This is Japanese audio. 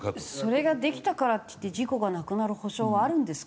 それができたからっていって事故がなくなる保障はあるんですか？